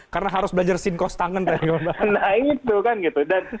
karena harus belajar sinkos tangan